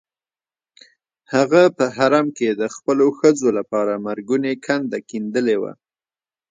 هغه په حرم کې د خپلو ښځو لپاره مرګونې کنده کیندلې وه.